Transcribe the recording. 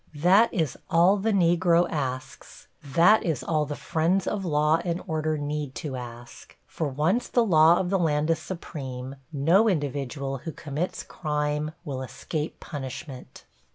That is all the Negro asks that is all the friends of law and order need to ask, for once the law of the land is supreme, no individual who commits crime will escape punishment.